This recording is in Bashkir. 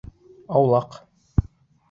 Аулаҡ.